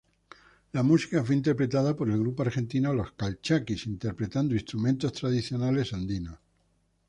La música fue interpretada por el grupo argentino Los Calchakis, interpretando instrumentos tradicionales andinos.